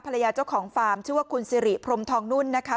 เจ้าของฟาร์มชื่อว่าคุณสิริพรมทองนุ่นนะคะ